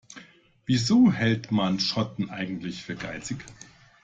Wieso hält man Schotten eigentlich für geizig?